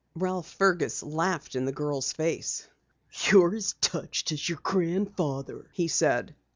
Ralph Fergus laughed in the girl's face. "You're as touched as your grandfather," he said.